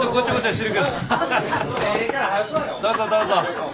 どうぞどうぞ。